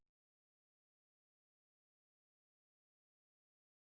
โปรดติดตามต่อไป